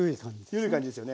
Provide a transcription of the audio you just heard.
ゆるい感じですよね。